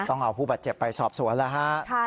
ต้องเอาผู้บาดเจ็บไปสอบสวนแล้วฮะ